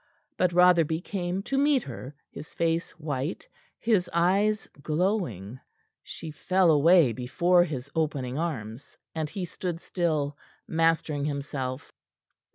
But Rotherby came to meet her, his face white, his eyes glowing. She fell away before his opening arms, and he stood still, mastering himself.